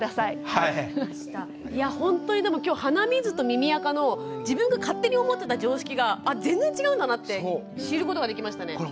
いやほんとにでも今日鼻水と耳あかの自分が勝手に思ってた常識が全然違うんだなって知ることができましたね。